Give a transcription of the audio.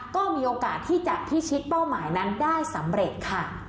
ก็มีโอกาสที่จะพิชิตเป้าหมายนั้นได้สำเร็จค่ะ